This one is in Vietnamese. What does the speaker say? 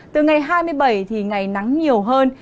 từ ngày hai mươi bảy thì ngày nắng nhiều hơn